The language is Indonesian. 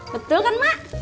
betul kan mak